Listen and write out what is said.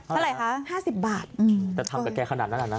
เท่าไหร่คะ๕๐บาทแต่ทำกับแกขนาดนั้นอ่ะนะ